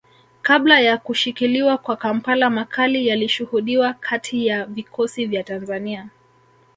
Kabla ya kushikiliwa kwa Kampala makali yalishuhudiwa kati ya vikosi vya Tanzania